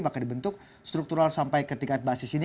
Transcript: maka dibentuk struktural sampai ketika basis ini